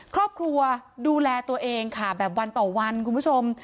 ครอบครัวดูแลตัวเองค่ะแบบวันต่อวันคุณผู้ชม